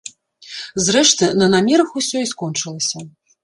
Зрэшты, на намерах усё і скончылася.